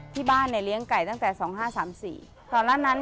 ที่บ้านเนี่ยเลี้ยงไก่ตั้งแต่๒๕๓๔